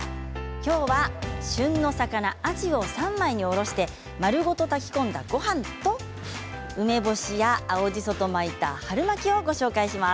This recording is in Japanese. きょうは旬の魚あじを三枚におろして丸ごと炊き込んだごはんと梅干しや青じそと巻いた春巻きをご紹介します。